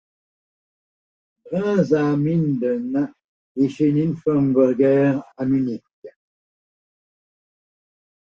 Bruns à Minden et chez Nymphenburger à Munich.